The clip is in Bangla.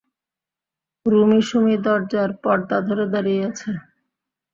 রুমী সুমী দরজার পর্দা ধরে দাঁড়িয়ে আছে।